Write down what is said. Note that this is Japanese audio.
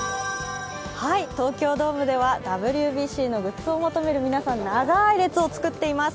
東京ドームではＷＢＣのグッズを求める皆さん、長い列を作っています。